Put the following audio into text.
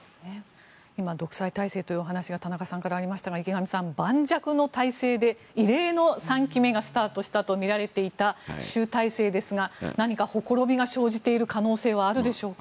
今、独裁体制という話が田中さんからありましたが池上さん、盤石の態勢で異例の３期目がスタートしたとみられていた習体制ですが何かほころびが生じている可能性はあるでしょうか。